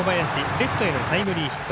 レフトへのタイムリーヒット